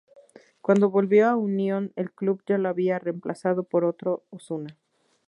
Cuando volvió a Unión el club ya lo había reemplazado por otro Osuna.